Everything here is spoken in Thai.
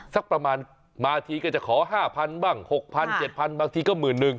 สักประมาณมาทีก็จะขอ๕๐๐บ้าง๖๐๐๗๐๐บางทีก็๑๑๐๐